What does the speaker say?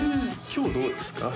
今日どうですか？